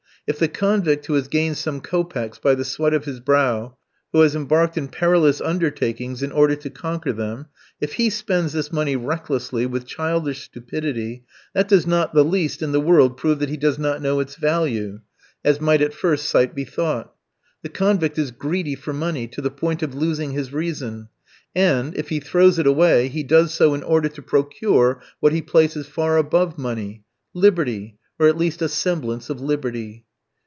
If the convict who has gained some kopecks by the sweat of his brow, who has embarked in perilous undertakings in order to conquer them, if he spends this money recklessly, with childish stupidity, that does not the least in the world prove that he does not know its value, as might at first sight be thought. The convict is greedy for money, to the point of losing his reason, and, if he throws it away, he does so in order to procure what he places far above money liberty, or at least a semblance of liberty.